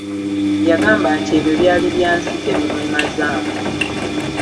Yagamba nti ebyo byali bya nsi tebimwemazaamu.